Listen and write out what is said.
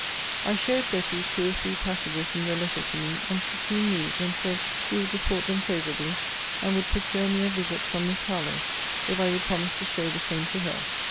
I showed Betty two or three passages in your letter to me; and she seemed moved, and said, She would report them favourably, and would procure me a visit from Miss Harlowe, if I would promise to show the same to her.